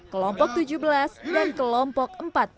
kelompok tujuh belas dan kelompok empat puluh